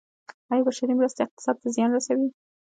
آیا بشري مرستې اقتصاد ته زیان رسوي؟